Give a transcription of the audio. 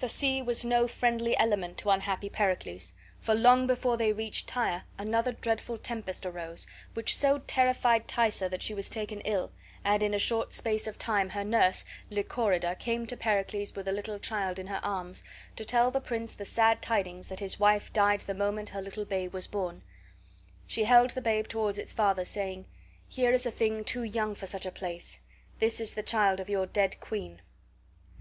The sea was no friendly element to unhappy Pericles, for long before they reached Tyre another dreadful tempest arose, which so terrified Thaisa that she was taken ill, and in a short space of time her nurse, Lychorida, came to Pericles with a little child in her arms, to tell the prince the sad tidings that his wife died the moment her little babe was born. She held the babe toward its father, saying: "Here is a thing too young for such a place. This is the child of your dead queen."